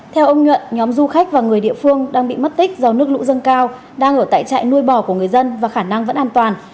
theo ông nhuận nhóm du khách và người địa phương đang bị mất tích do nước lũ dâng cao đang ở tại trại nuôi bò của người dân và khả năng vẫn an toàn